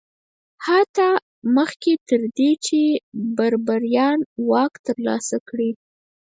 حتی مخکې تر دې چې بربریان واک ترلاسه کړي